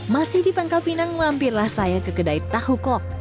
masih di pangkal pinang mampirlah saya ke kedai tahu kok